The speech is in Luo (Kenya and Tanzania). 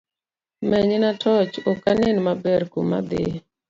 Menyna torch ok anen maber kuma adhie